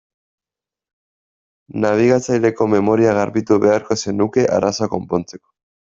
Nabigatzaileko memoria garbitu beharko zenuke arazoa konpontzeko.